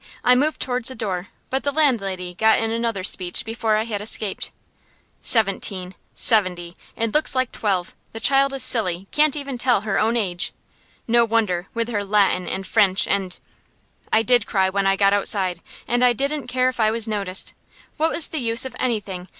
I moved towards the door, but the landlady got in another speech before I had escaped. "Seventeen seventy! And looks like twelve! The child is silly. Can't even tell her own age. No wonder, with her Latin, and French, and " I did cry when I got outside, and I didn't care if I was noticed. What was the use of anything?